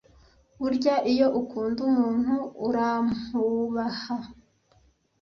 burya iyo ukunda umuntu urampwubaha